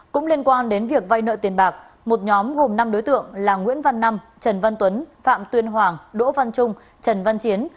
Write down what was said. cũng liên quan đến việc vay nợ tiền bạc một nhóm gồm năm đối tượng là nguyễn văn năm trần văn tuấn phạm tuyên hoàng đỗ văn trung trần văn chiến